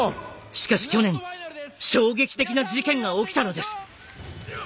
しかし去年衝撃的な事件が起きたのです。